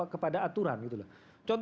kepada aturan gitu loh